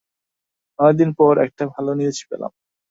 অনেকদিন পর একটা ভালো নিউজ পেলাম!